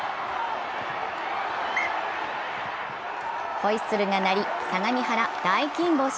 ホイッスルが鳴り相模原、大金星。